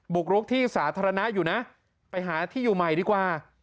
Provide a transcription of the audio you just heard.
กรุกที่สาธารณะอยู่นะไปหาที่อยู่ใหม่ดีกว่า